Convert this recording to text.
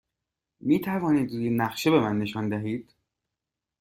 می توانید روی نقشه به من نشان دهید؟